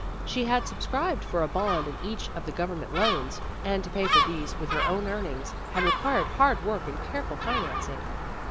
She had subscribed for a bond in each A TELEPHONE PARTY 25 of the Government loans, and to pay for these with her own earnings had required hard work and careful financing.